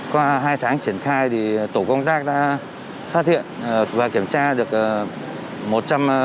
qua hai tháng triển khai tổ công tác đã phát hiện và kiểm tra được